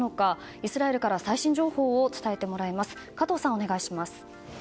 イスラエルから最新情報を伝えてもらいます。